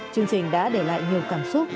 chương trình đã để lại nhiều cảm xúc